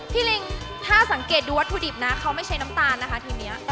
ลิงถ้าสังเกตดูวัตถุดิบนะเขาไม่ใช้น้ำตาลนะคะทีนี้